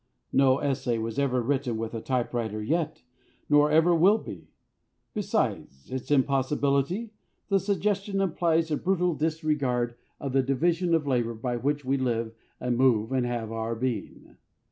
No essay was ever written with a typewriter yet, nor ever will be. Besides its impossibility, the suggestion implies a brutal disregard of the division of labour by which we live and move and have our being.